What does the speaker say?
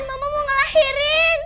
mama mau ngelahirin